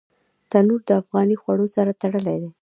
تنور د افغاني خوړو سره تړلی دی